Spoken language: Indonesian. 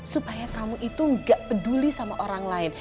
supaya kamu itu nggak peduli sama orang lain